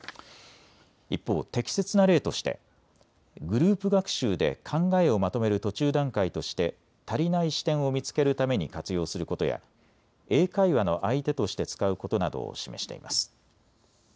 一方、適切な例としてグループ学習で考えをまとめる途中段階として足りない視点を見つけるために活用することや英会話の相手として使うことなどを示しています。